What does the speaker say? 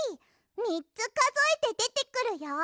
みっつかぞえてでてくるよ！